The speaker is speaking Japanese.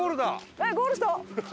えっゴールした！